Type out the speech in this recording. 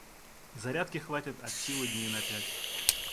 Зарядки хватит от силы дней на пять.